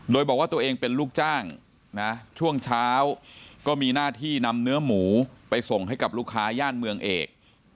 โดยบอกว่าตัวเองเป็นลูกจ้างนะช่วงเช้าก็มีหน้าที่นำเนื้อหมูไปส่งให้กับลูกค้าย่านเมืองเอก